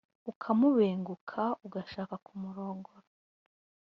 ukamubenguka, ugashaka kumurongora,